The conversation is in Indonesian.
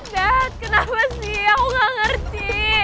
dad kenapa sih aku nggak ngerti